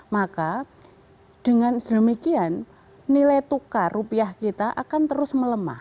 maka dengan sedemikian nilai tukar rupiah kita akan terus melemah